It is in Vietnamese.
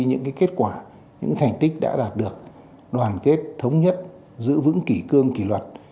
những kết quả những thành tích đã đạt được đoàn kết thống nhất giữ vững kỷ cương kỷ luật